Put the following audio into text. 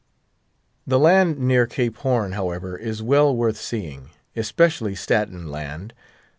The land near Cape Horn, however, is well worth seeing, especially Staten Land.